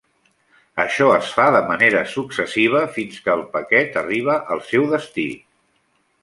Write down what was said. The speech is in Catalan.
Això es fa de manera successiva fins que el paquet arriba al seu destí.